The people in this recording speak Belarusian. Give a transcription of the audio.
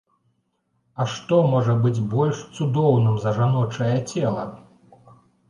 А што можа быць больш цудоўным за жаночае цела?